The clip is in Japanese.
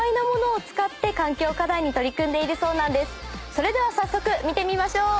それでは早速見てみましょう。